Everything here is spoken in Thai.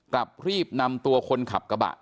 กลับรีบนำตัวคนขับกระบะ